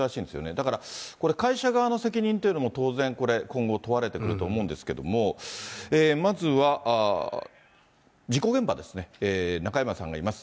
だからこれ、会社側の責任というのも当然、今後問われてくると思うんですけれども、まずは事故現場ですね、中山さんがいます。